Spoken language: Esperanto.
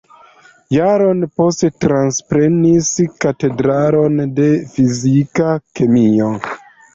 Jaron poste transprenis Katedron de Fizika Kemio.